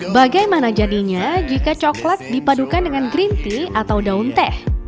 bagaimana jadinya jika coklat dipadukan dengan green tea atau daun teh